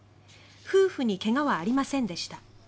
夫婦に怪我はありませんでした。